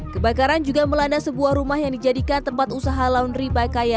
kebakaran juga melanda sebuah rumah yang dijadikan tempat usaha laundry bakaya